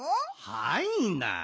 はいな。